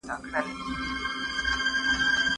ګلاب په باغ کې د پاچا په څېر ښکاري.